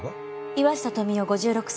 岩下富雄５６歳。